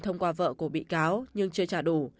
thông qua vợ của bị cáo nhưng chưa trả đủ